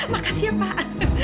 makasih ya pak